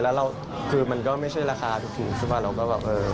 แล้วเราคือมันก็ไม่ใช่ราคาถูกใช่ป่ะเราก็แบบเออ